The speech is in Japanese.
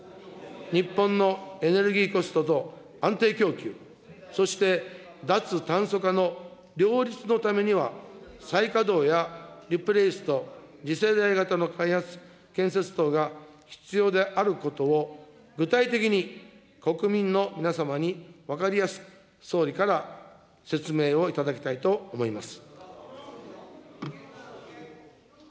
日本のエネルギーコストと安定供給、そして脱炭素化の両立のためには、再稼働やリプレイスと、次世代型の開発、建設等が必要であることを、具体的に国民の皆様に分かりやすく、総理から説明をいただきたいと思います。